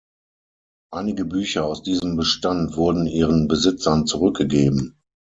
Einige Bücher aus diesem Bestand wurden ihren Besitzern zurückgegeben.